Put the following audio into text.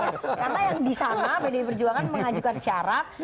karena yang di sana pd perjuangan mengajukan syarat